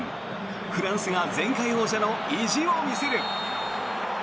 フランスが前回王者の意地を見せる。